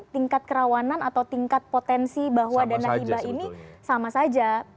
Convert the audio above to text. tingkat kerawanan atau tingkat potensi bahwa dana hibah ini sama saja